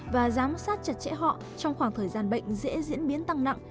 và giám sát chặt chẽ họ trong khoảng thời gian bệnh dễ diễn biến tăng nặng